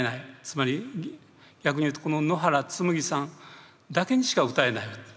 つまり逆に言うとこの野原つむぎさんだけにしか歌えない。